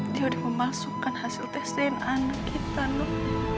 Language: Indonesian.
dia udah memalsukan hasil tes din anak kita nuh